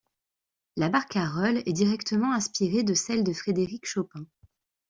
La barcarolle est directement inspirée de celle de Frédéric Chopin.